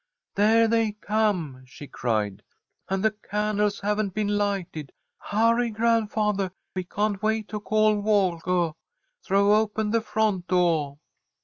"There they come!" she cried, "and the candles haven't been lighted. Hurry, grandfathah! We can't wait to call Walkah! Throw open the front doah!"